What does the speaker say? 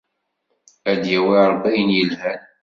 Ad d-yawi Rebbi ayen yelhan!